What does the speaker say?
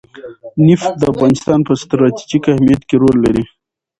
نفت د افغانستان په ستراتیژیک اهمیت کې رول لري.